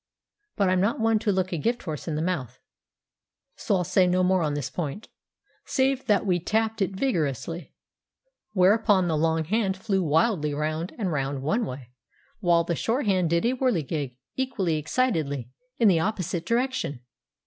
But I'm not one to look a gift horse in the mouth, so I'll say no more on this point, save that we tapped it vigorously; whereupon the long hand flew wildly round and round one way, while the short hand did a whirligig, equally excitedly, in the opposite direction.